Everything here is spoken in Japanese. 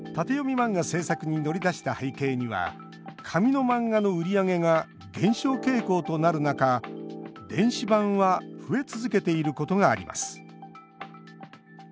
漫画制作に乗り出した背景には紙の漫画の売り上げが減少傾向となる中電子版は増え続けていることがあります。